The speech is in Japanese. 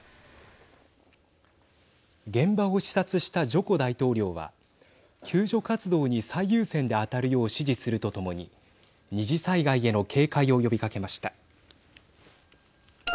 現場を視察したジョコ大統領は救助活動に最優先で当たるよう指示するとともに二次災害への警戒を呼びかけました。